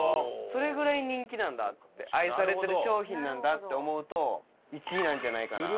それぐらい人気なんだって愛されてる商品なんだって思うと１位なんじゃないかなって。